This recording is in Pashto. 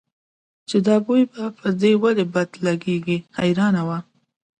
چې دا بوی به په دې ولې بد لګېږي حیرانه وه.